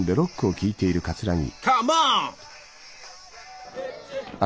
カモン！